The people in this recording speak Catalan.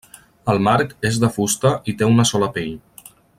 El marc és de fusta i té una sola pell.